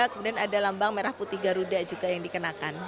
kemudian ada lambang merah putih garuda juga yang dikenakan